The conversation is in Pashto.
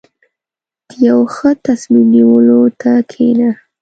• د یو ښه تصمیم نیولو ته کښېنه.